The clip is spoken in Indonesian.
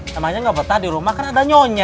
namanya nggak betah di rumah kan ada nyonya